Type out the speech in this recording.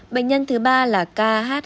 bệnh nhân thứ ba là khh